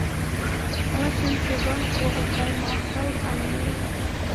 Elections to the Bronx Walk of Fame are held annually.